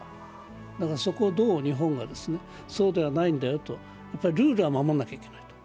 そこをどう日本が、そうではないんだよと、やはりルールは守らなきゃいけないと。